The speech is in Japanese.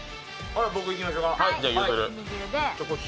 僕、いきましょか。